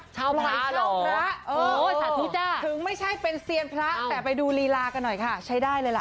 เช้าพระเหรอโอ้โหสาธิจรรย์ถึงไม่ใช่เป็นเซียนพระแต่ไปดูลีลากันหน่อยค่ะใช้ได้เลยล่ะ